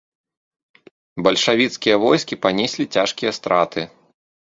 Бальшавіцкія войскі панеслі цяжкія страты.